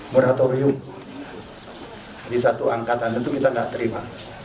moratorium di satu angkatan itu kita tidak terima